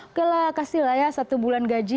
oke lah kasihlah ya satu bulan gaji